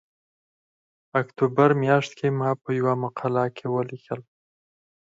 اکتوبر میاشت کې ما په یوه مقاله کې ولیکل